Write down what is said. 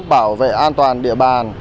bảo vệ an toàn địa bàn